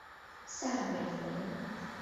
萨韦雷。